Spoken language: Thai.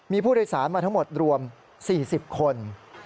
มีผู้โดยสารมาทั้งหมดรวม๔๐คน